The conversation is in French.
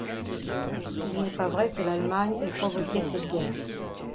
Il n'est pas vrai que l'Allemagne ait provoqué cette guerre.